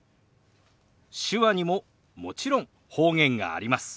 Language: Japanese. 手話にももちろん方言があります。